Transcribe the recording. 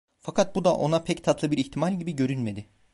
Fakat bu da ona pek tatlı bir ihtimal gibi görünmedi.